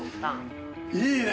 いいね